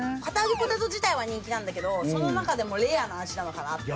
ポテト自体は人気なんだけどその中でもレアな味なのかなと。